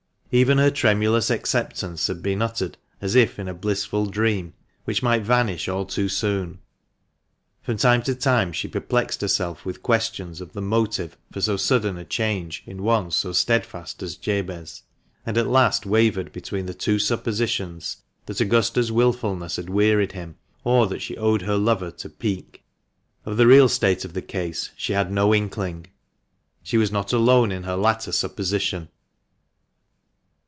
Even her tremulous acceptance had been uttered as in a blissful dream, which might vanish all too soon. From time to time she perplexed herself with questions of the motive for so sudden a change in one so steadfast as Jabez, and at last wavered between the two suppositions that Augusta's wilfulness had wearied him, or that she owed her lover to pique. Of the real state of the case she had no inkling. She was not alone in her latter supposition.